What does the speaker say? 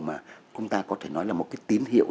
mà chúng ta có thể nói là một cái tín hiệu